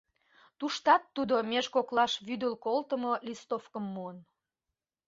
Туштат тудо меж коклаш вӱдыл колтымо листовкым муын.